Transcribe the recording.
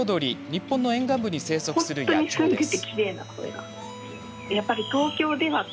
日本の沿岸部に生息する野鳥です。